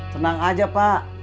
senang aja pak